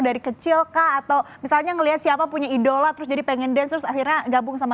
dari kecil kah atau misalnya ngelihat siapa punya idola terus jadi pengen dance akhirnya gabung sama